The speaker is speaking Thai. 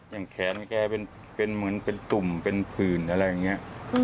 อย่างแขนแกเป็นเหมือนเป็นตุ่มเป็นผื่นอะไรอย่างนี้